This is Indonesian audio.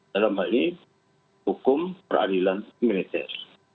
dalam hal ini hukum peradilan militer